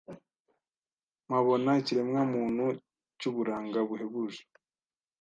mpabona ikiremwamuntu cy uburanga buhebuje